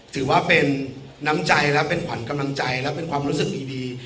ถือว่าเป็นน้ำใจและเป็นขวัญกำลังใจและเป็นความรู้สึกดี